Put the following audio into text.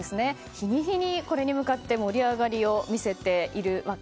日に日に、これに向かって盛り上がりを見せています。